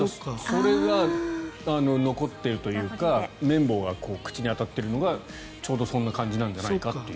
それが残っているというか綿棒が口に当たっているのがちょうどそんな感じなんじゃないかって。